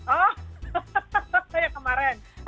oh saya kemarin